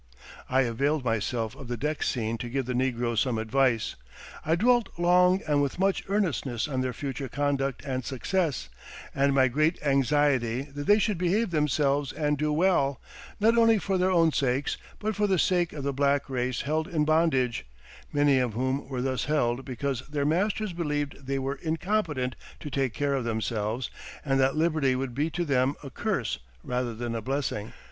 "I availed myself of the deck scene to give the negroes some advice. I dwelt long and with much earnestness on their future conduct and success, and my great anxiety that they should behave themselves and do well, not only for their own sakes, but for the sake of the black race held in bondage; many of whom were thus held because their masters believed they were incompetent to take care of themselves and that liberty would be to them a curse rather than a blessing.